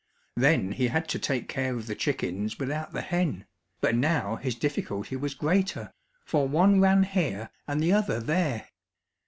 Then he had to take care of the chickens without the hen, but now his difficulty was greater, for one ran here and the other there.